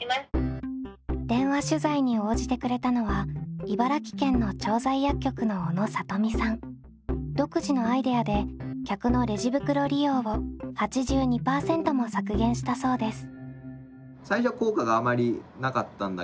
電話取材に応じてくれたのは茨城県の調剤薬局の独自のアイデアで客のレジ袋利用を８２％も削減したそうです。